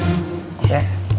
oke terima kasih pak